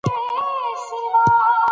ازادي راډیو د کلتور وضعیت انځور کړی.